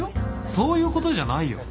そういうことじゃないよ！